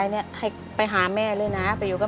แน่นอน